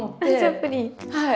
はい。